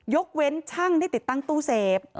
ยกเว้นช่างที่ติดตั้งตู้เสพ